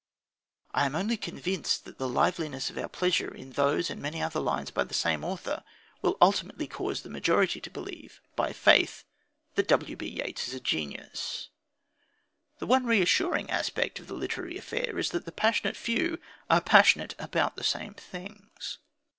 I am only convinced that the liveliness of our pleasure in those and many other lines by the same author will ultimately cause the majority to believe, by faith, that W.B. Yeats is a genius. The one reassuring aspect of the literary affair is that the passionate few are passionate about the same things.